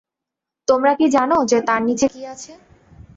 তোমরা কি জান যে, তার নিচে কী আছে?